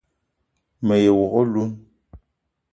Me ye wok oloun